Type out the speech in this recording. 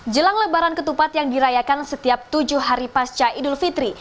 jelang lebaran ketupat yang dirayakan setiap tujuh hari pasca idul fitri